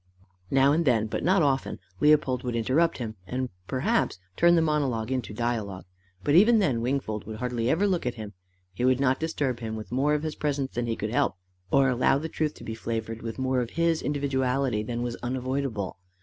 Now and then but not often Leopold would interrupt him, and perhaps turn the monologue into dialogue, but even then Wingfold would hardly ever look at him: he would not disturb him with more of his presence than he could help, or allow the truth to be flavoured with more of his individuality than was unavoidable.